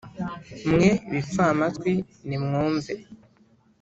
Mwe bipfamatwi, nimwumve,